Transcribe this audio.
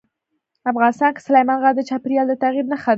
افغانستان کې سلیمان غر د چاپېریال د تغیر نښه ده.